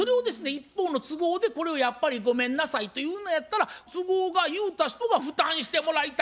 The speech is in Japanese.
一方の都合で「やっぱりごめんなさい」と言うのやったら「都合が」言うた人が負担してもらいたい。